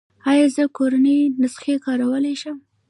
ایا زه کورنۍ نسخې کارولی شم؟